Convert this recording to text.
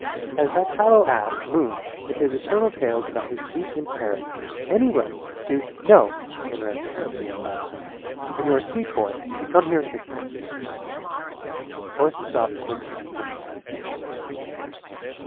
Has that callow ass, Moon, with his eternal tales about his week in Paris, any right to " "No," interrupted Marcia emphatically. "And you're a sweet boy. Come here and kiss me." Horace stopped quickly in front of her.